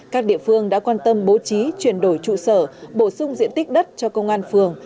các địa phương đã quan tâm bố trí chuyển đổi trụ sở bổ sung diện tích đất cho công an phường